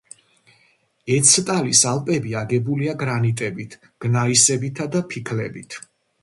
ეცტალის ალპები აგებულია გრანიტებით, გნაისებითა და ფიქლებით.